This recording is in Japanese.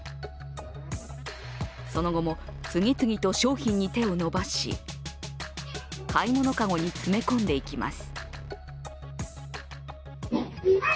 その後も次々と商品に手を伸ばし、買い物籠に詰め込んでいきます。